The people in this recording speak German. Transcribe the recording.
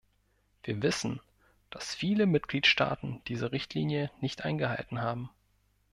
Wir wissen, dass viele Mitgliedstaaten diese Richtlinie nicht eingehalten haben.